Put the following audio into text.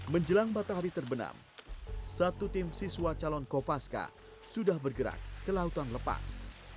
menjelang matahari terbenam satu tim siswa calon kopaska sudah bergerak ke lautan lepas